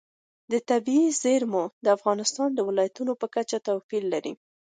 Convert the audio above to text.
طبیعي زیرمې د افغانستان د ولایاتو په کچه توپیر لري.